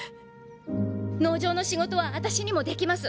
農場の仕事は私にもできます。